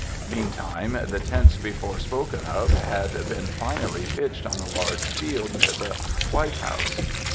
Meantime the tents before spoken of had been finally pitched on a large field near the White House.